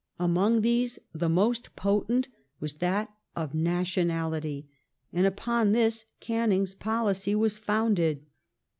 Among these the most potent was that of nationality, and upon this Canning's policy was founded.